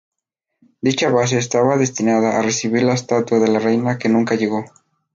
Dicha base estaba destinada a recibir la estatua de la Reina que nunca llegó.